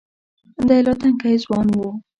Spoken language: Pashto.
دی لا تنکی ځوان و.